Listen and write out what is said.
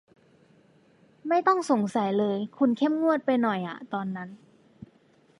ไม่ต้องสงสัยเลย คุณเข้มงวดไปหน่อยอ่ะตอนนั้น